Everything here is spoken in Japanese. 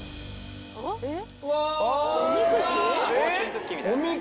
えっ。